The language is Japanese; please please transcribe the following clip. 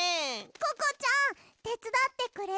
ココちゃんてつだってくれる？